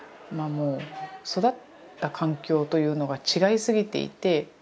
育った環境というのが違いすぎていて。